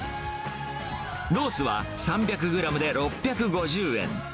ロースは３００グラムで６５０円。